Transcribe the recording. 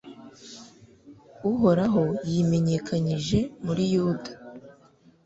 Uhoraho yimenyekanyije muri Yuda